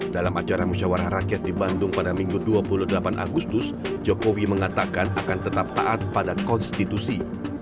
dalam acara musyawarah rakyat di bandung pada minggu dua puluh delapan agustus jokowi mengatakan akan tetap taat pada konstitusi